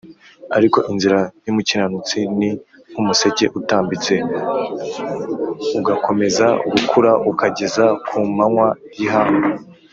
ariko inzira y’umukiranutsi ni nk’umuseke utambitse, ugakomeza gukura ukageza ku manywa y’ihangu